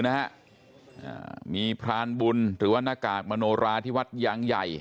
นะฮะอ่ามีพรานบุญหรือว่าหน้ากากมโนราที่วัดยางใหญ่